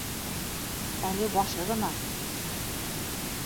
Әле башы ғына.